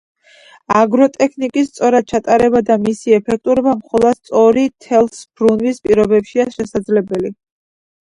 აგროტექნიკის სწორად ჩატარება და მისი ეფექტურობა მხოლოდ სწორი თესლბრუნვის პირობებშია შესაძლებელი.